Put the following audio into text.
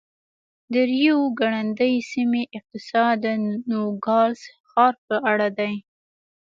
د ریو ګرنډي سیمې اقتصاد د نوګالس ښار په اړه دی.